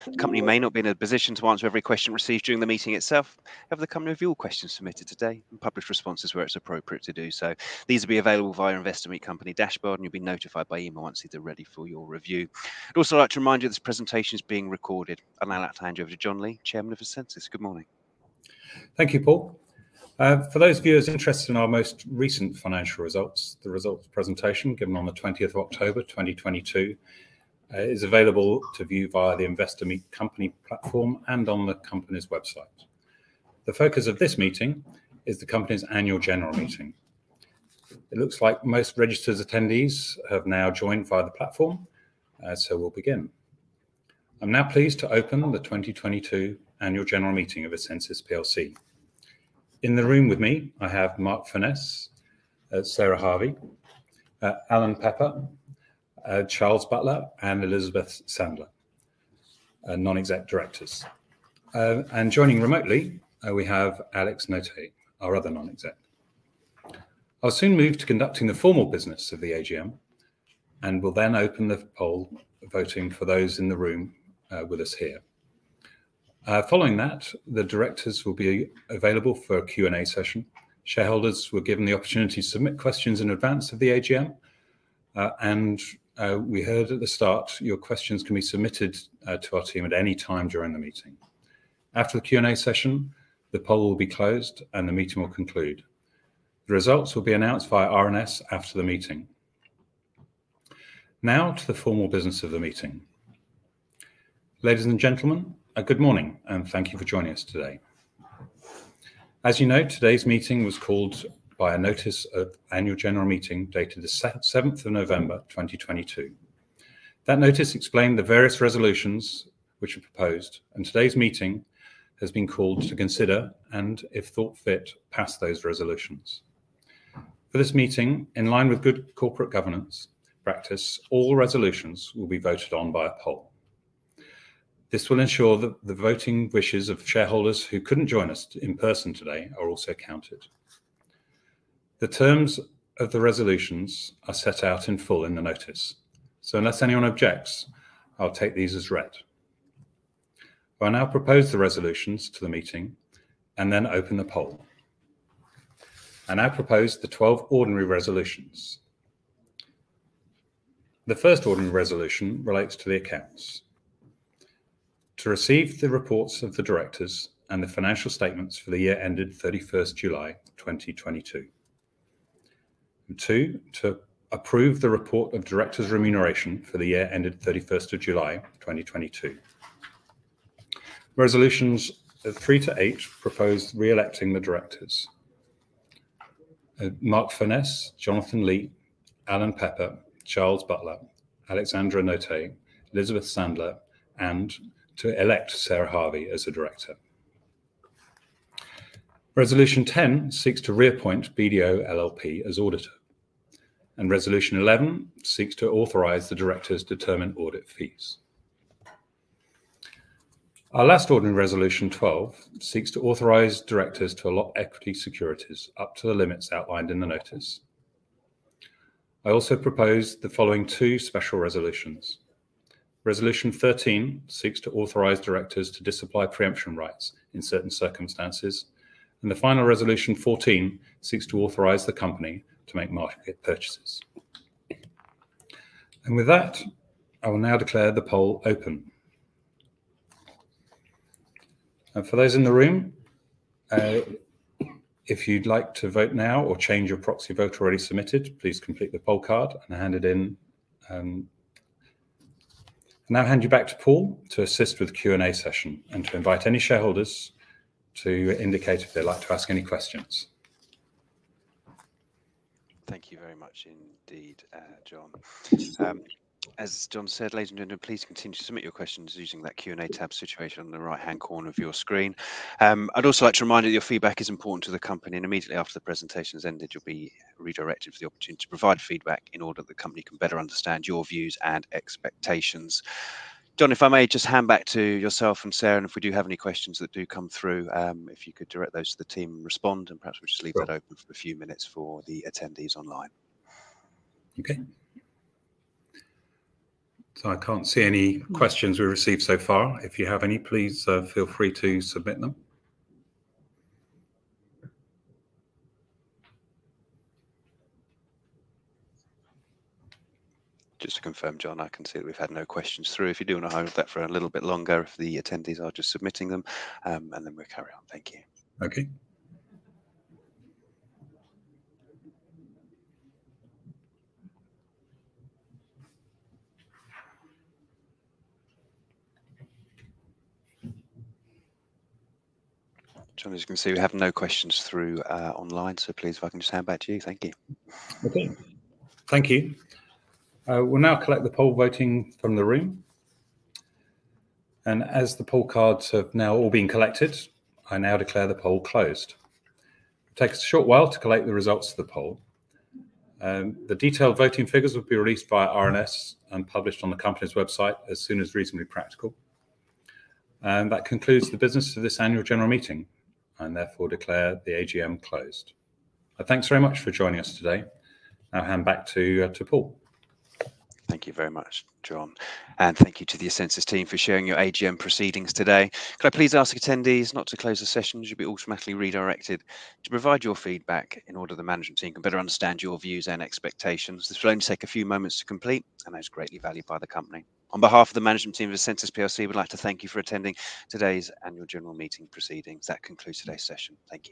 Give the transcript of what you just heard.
The company may not be in a position to answer every question received during the meeting itself. The company will review all questions submitted today and publish responses where it's appropriate to do so. These will be available via Investor Meet Company dashboard, you'll be notified by email once these are ready for your review. I'd also like to remind you this presentation is being recorded. I'd now like to hand you over to Jon Lee, chairman of essensys. Good morning. Thank you, Paul. For those viewers interested in our most recent financial results, the results presentation given on the 20th of October, 2022, is available to view via the Investor Meet Company platform and on the company's website. The focus of this meeting is the company's annual general meeting. It looks like most registered attendees have now joined via the platform, we'll begin. I'm now pleased to open the 2022 annual general meeting of essensys plc. In the room with me I have Mark Furness, Sarah Harvey, Alan Pepper, Charles Butler, and Elizabeth Sandler, non-exec directors. Joining remotely, we have Alexandra Notay, our other non-exec. I'll soon move to conducting the formal business of the AGM and will then open the poll voting for those in the room with us here. Following that, the directors will be available for a Q&A session. Shareholders were given the opportunity to submit questions in advance of the AGM, we heard at the start your questions can be submitted to our team at any time during the meeting. After the Q&A session, the poll will be closed and the meeting will conclude. The results will be announced via RNS after the meeting. To the formal business of the meeting. Ladies and gentlemen, good morning, and thank you for joining us today. As you know, today's meeting was called by a notice of annual general meeting dated the 7th of November, 2022. That notice explained the various resolutions which were proposed, today's meeting has been called to consider and, if thought fit, pass those resolutions. For this meeting, in line with good corporate governance practice, all resolutions will be voted on by a poll. This will ensure that the voting wishes of shareholders who couldn't join us in person today are also counted. The terms of the resolutions are set out in full in the notice. Unless anyone objects, I'll take these as read. I now propose the resolutions to the meeting and then open the poll. I now propose the 12 ordinary resolutions. The 1st ordinary resolution relates to the accounts: To receive the reports of the directors and the financial statements for the year ended 31st July, 2022. 2, to approve the report of directors' remuneration for the year ended 31st of July, 2022. Resolutions, 3 to 8 propose re-electing the directors: Mark Furness, Jonathan Lee, Alan Pepper, Charles Butler, Alexandra Notay, Elizabeth Sandler, and to elect Sarah Harvey as a director. Resolution 10 seeks to reappoint BDO LLP as auditor. Resolution 11 seeks to authorize the directors to determine audit fees. Our last ordinary resolution, 12, seeks to authorize directors to allot equity securities up to the limits outlined in the notice. I also propose the following 2 special resolutions. Resolution 13 seeks to authorize directors to disapply pre-emption rights in certain circumstances. The final resolution, 14, seeks to authorize the company to make market purchases. With that, I will now declare the poll open. For those in the room, if you'd like to vote now or change your proxy vote already submitted, please complete the poll card and hand it in. I now hand you back to Paul to assist with the Q&A session and to invite any shareholders to indicate if they'd like to ask any questions. Thank you very much indeed, Jon. As Jon said, ladies and gentlemen, please continue to submit your questions using that Q&A tab situated on the right-hand corner of your screen. I'd also like to remind you your feedback is important to the company, and immediately after the presentation has ended, you'll be redirected for the opportunity to provide feedback in order that the company can better understand your views and expectations. Jon, if I may just hand back to yourself and Sarah, and if we do have any questions that do come through, if you could direct those to the team and respond? Perhaps we'll just leave that open- Sure... for a few minutes for the attendees online. Okay. I can't see any questions we've received so far. If you have any, please, feel free to submit them. Just to confirm, Jon, I can see that we've had no questions through. If you do wanna hold with that for a little bit longer if the attendees are just submitting them, and then we'll carry on. Thank you. Okay. Jon, as you can see, we have no questions through online. Please, if I can just hand back to you. Thank you. Okay. Thank you. We'll now collect the poll voting from the room. As the poll cards have now all been collected, I now declare the poll closed. It takes a short while to collate the results of the poll. The detailed voting figures will be released via RNS and published on the company's website as soon as reasonably practical. That concludes the business of this annual general meeting and therefore declare the AGM closed. Thanks very much for joining us today. I'll hand back to Paul. Thank you very much, Jon. Thank you to the essensys team for sharing your AGM proceedings today. Could I please ask attendees not to close the session, as you'll be automatically redirected to provide your feedback in order the management team can better understand your views and expectations. This will only take a few moments to complete and is greatly valued by the company. On behalf of the management team of essensys plc, we'd like to thank you for attending today's annual general meeting proceedings. That concludes today's session. Thank you.